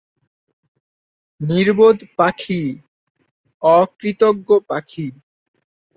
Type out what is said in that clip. নির্বোধ পাখি, অকৃতজ্ঞ পাখি!